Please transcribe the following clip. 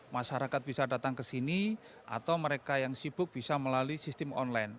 masyarakat bisa datang ke sini atau mereka yang sibuk bisa melalui sistem online